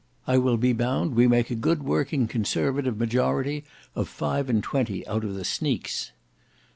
I will be bound we make a good working conservative majority of five and twenty out of the sneaks."